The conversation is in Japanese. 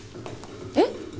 えっ？